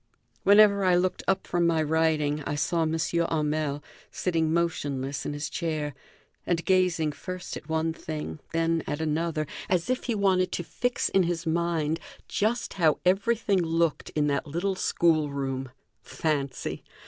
Whenever I looked up from my writing I saw M. Hamel sitting motionless in his chair and gazing first at one thing, then at another, as if he wanted to fix in his mind just how everything looked in that little school room. Fancy!